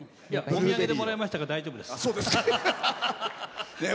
お土産でもらいましたから大丈夫です。